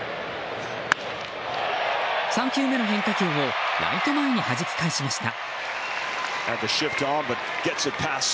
３球目の変化球をライト前にはじき返しました。